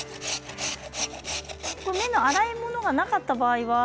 目の粗いものがなかった場合は。